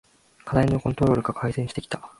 課題のコントロールが改善してきた